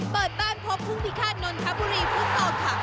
เปิดบ้านพบผู้พิฆาตนนทบุรีฟุตซอลค่ะ